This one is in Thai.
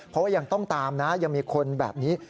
เพราะว่ายังต้องตามนะยังมีคนแบบนี้